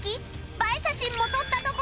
映え写真も撮ったところで